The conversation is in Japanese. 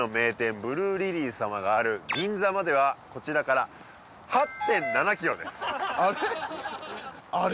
ブルーリリー様がある銀座まではこちらから８．７ｋｍですあれ？